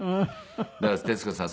だから徹子さん